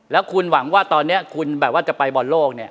แล้วคุณหวังว่าตอนนี้คุณแบบว่าจะไปบอลโลกเนี่ย